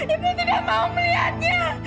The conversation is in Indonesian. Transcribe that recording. ibu tidak mau melihatnya